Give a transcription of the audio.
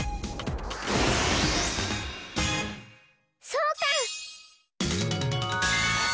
そうか！